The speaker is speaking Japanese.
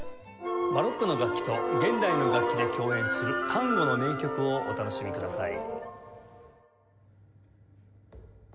バロックの楽器と現代の楽器で共演するタンゴの名曲をお楽しみください。